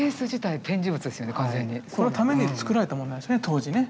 このために作られたものなんですね当時ね。